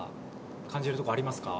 感じるところありますか？